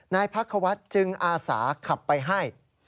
นายพักควัฒน์จึงอาสาขับไปให้